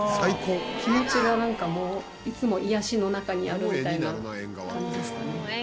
気持ちがなんかもういつも癒やしの中にあるみたいな感じですかね。